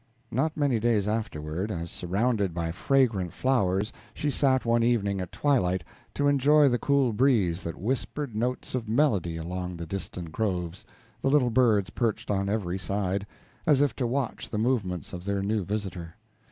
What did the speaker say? Not many days afterward, as surrounded by fragrant flowers she sat one evening at twilight, to enjoy the cool breeze that whispered notes of melody along the distant groves, the little birds perched on every side, as if to watch the movements of their new visitor.